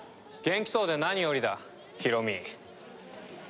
元気そうで何よりだヒロミ。